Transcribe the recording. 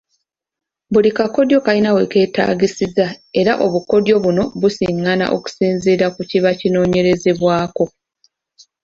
Buli kakodyo kalina we keetaagisiza era obukodyo buno busiŋŋana okusinziira ku kiba kinoonyerezebwako.